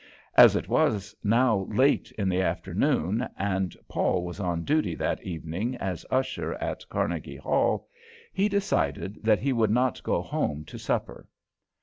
As it was now late in the afternoon and Paul was on duty that evening as usher at Carnegie Hall, he decided that he would not go home to supper.